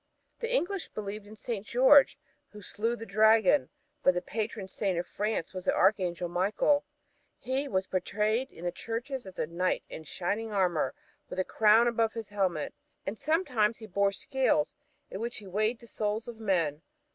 The English believed in St. George, who slew the dragon; but the patron Saint of France was the Archangel Michael. He was portrayed in the churches as a knight in shining armor with a crown above his helmet, and sometimes he bore scales in which he weighed the souls of men.